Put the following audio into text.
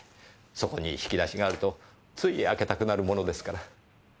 そこに引き出しがあるとつい開けたくなるものですから。